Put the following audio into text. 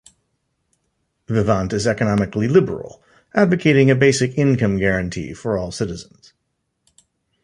Vivant is economically liberal, advocating a basic income guarantee for all citizens.